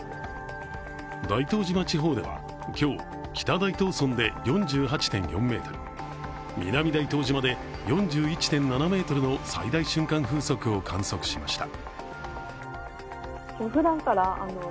大東島地方では今日、北大東村で４８．４ｍ、南大東島で４１．７メートルの最大瞬間風速を観測しました。